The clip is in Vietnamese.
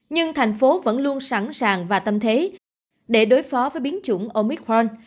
nhưng thành phố vẫn luôn sẵn sàng và tâm thế để đối phó với biến chủng omicron